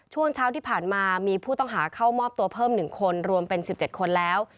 ช่วงเช้าที่ผ่านมามีผู้ต้องหาเข้ามอบตัวเพิ่ม๑คนรวมเป็น๑๗คนแล้ว